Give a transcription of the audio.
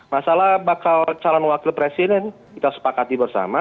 masalah bakal calon wakil presiden kita sepakati bersama